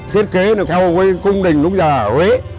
thiết kế theo cung đình lúc giờ ở huế